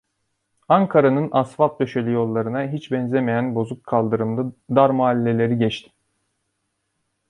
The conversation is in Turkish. Ankara'nın asfalt döşeli yollarına hiç benzemeyen bozuk kaldırımlı dar mahalleleri geçtim.